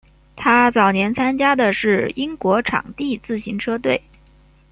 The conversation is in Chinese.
他早年参加的是英国场地自行车队。